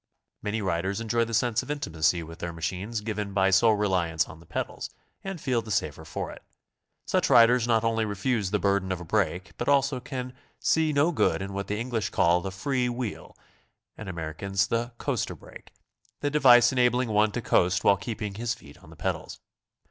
Many riders enjoy the sense of intimacy with their machines given by sole reliance on the pedals, and feel the safer for it. Such riders not only refuse the burden of a brake, but also can see no good in what the English call the ^'free wheel," and Amer icans the "coaster brake," — the device enabling one to coast while keeping his feet on the pedals.